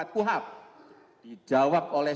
puhab dijawab oleh